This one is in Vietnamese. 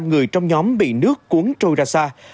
ba người trong nhóm bị nước cuốn trôi ra xa